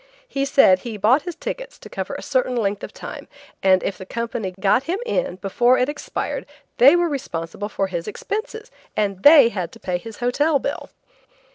He said he bought his tickets to cover a certain length of time, and if the company got him in before it expired they were responsible for his expenses, and they had to pay his hotel bill.